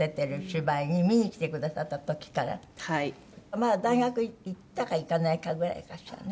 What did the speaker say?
まあ大学いったかいかないかぐらいかしらね。